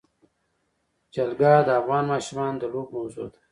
جلګه د افغان ماشومانو د لوبو موضوع ده.